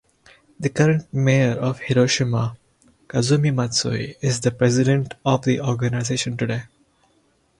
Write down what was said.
The current mayor of Hiroshima, Kazumi Matsui, is the President of the organization today.